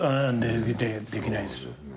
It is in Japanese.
できないです。